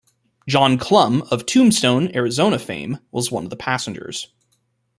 John Clum, of Tombstone, Arizona fame was one of the passengers.